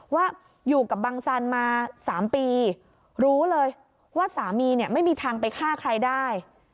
ว่าอยู่กับบังสันมา๓ปีรู้เลยว่าสามีเนี่ยไม่มีทางไปฆ่าใครได้